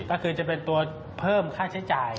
ก็คือจะเป็นตัวเพิ่มค่าใช้จ่าย